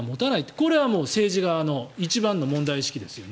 これは政治側の一番の問題意識ですよね。